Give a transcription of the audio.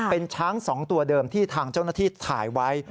เป็นช้าง๒ตัวเดิมที่ทางเจ้าหน้าที่ถ่ายไว้